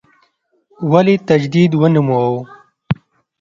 ولې تجدید ونوموو.